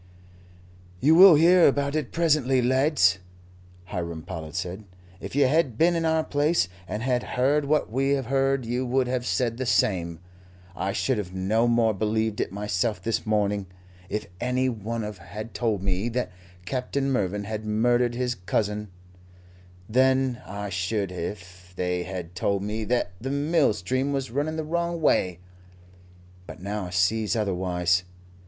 "You will hear about it presently, lads," Hiram Powlett said. "If you had been in our place, and had heard what we have heard, you would have said the same. I should have no more believed it myself this morning, if any one had told me that Captain Mervyn had murdered his cousin, than I should if they had told me that the mill stream was running the wrong way; but now I sees otherwise.